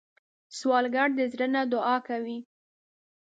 سوالګر د زړه نه دعا کوي